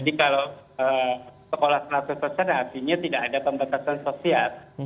jadi kalau sekolah terlalu sosial artinya tidak ada pembatasan sosial